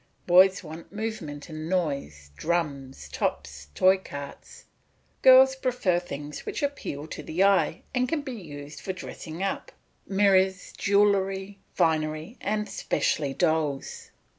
Boys want movement and noise, drums, tops, toy carts; girls prefer things which appeal to the eye, and can be used for dressing up mirrors, jewellery, finery, and specially dolls.